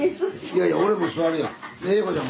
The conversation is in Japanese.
いやいや俺も座るやん。